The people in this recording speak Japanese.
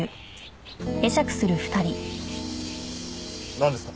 なんですか？